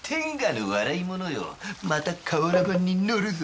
また瓦版に載るぞ。